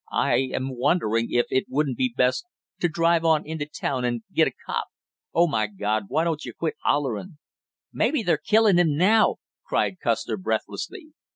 "I am wondering if it wouldn't be best to drive on into town and get a cop Oh, my God, why don't you quit hollering!" "Maybe they're killing him now!" cried Custer breathlessly.